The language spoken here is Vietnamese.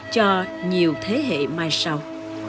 cho nhiều thế hệ mai sau